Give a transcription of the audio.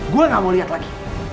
gue gak mau lihat lagi